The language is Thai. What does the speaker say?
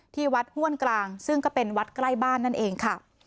ที่วัดห้วนกลางซึ่งก็เป็นวัดใกล้บ้านนั่นเองค่ะ